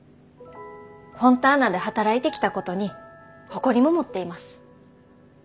フォンターナで働いてきたことに誇りも持っています。